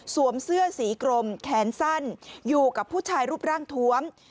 เสื้อสีกรมแขนสั้นอยู่กับผู้ชายรูปร่างทวม